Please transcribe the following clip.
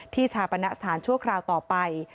ชาปณะสถานชั่วคราวต่อไป